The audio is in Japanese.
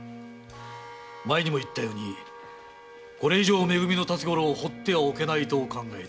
前にも言ったようにこれ以上め組の辰五郎をほってはおけないとお考えでして。